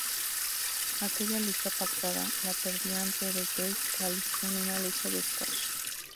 Aquella lucha pactada la perdió ante The Great Khali en una lucha de squash.